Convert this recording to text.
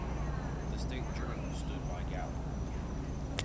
The "State Journal" stood by Gallagher.